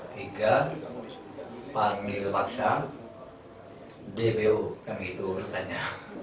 panggil satu dua tiga panggil paksa dpu dan itu urutannya